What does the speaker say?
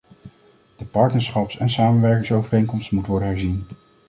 De partnerschaps- en samenwerkingsovereenkomst moet worden herzien.